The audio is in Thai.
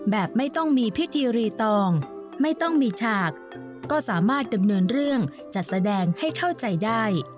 แบบไม่ต้องมีพิธีรีตองไม่ต้องมีฉากก็สามารถดำเนินเรื่องจัดแสดงให้เข้าใจได้